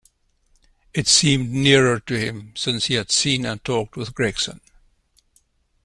It seemed nearer to him since he had seen and talked with Gregson.